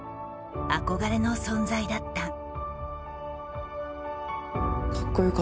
憧れの存在だった。